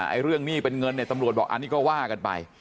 ไอ้เรื่องหนี้เป็นเงินเนี่ยตำรวจบอกอันนี้ก็ว่ากันไป